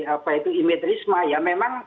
apa itu image risma ya memang